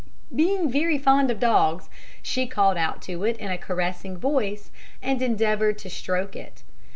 Being very fond of dogs, she called out to it in a caressing voice and endeavoured to stroke it.